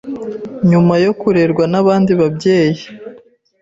nyuma yo kurerwa n’abandi babyeyi